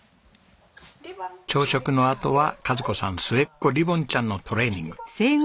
朝食のあとは賀津子さん末っ子リボンちゃんのトレーニング。